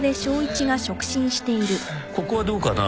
ここはどうかな？